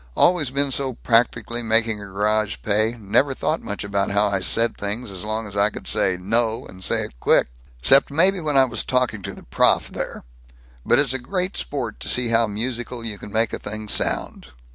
Always been so practical, making a garage pay, never thought much about how I said things as long as I could say 'No!' and say it quick. 'Cept maybe when I was talking to the prof there. But it's great sport to see how musical you can make a thing sound.